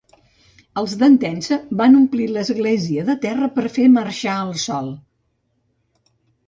Els d'Entença van omplir l'església de terra per fer marxar el sol.